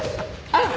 あっ！